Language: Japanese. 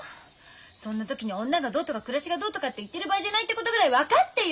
そんな時に女がどうとか暮らしがどうとかって言ってる場合じゃないってことぐらい分かってよ！